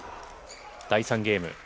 第３ゲーム。